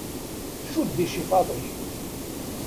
Cudd icifaḍ-ik!